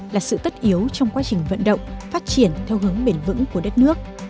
là sự tất yếu trong quá trình vận động phát triển theo hướng bền vững của đất nước